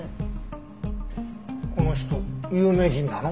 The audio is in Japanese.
この人有名人なの？